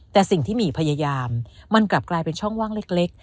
แต่สิ่งที่หมี่พยายามมันกลับกลายเป็นช่องว่างเล็ก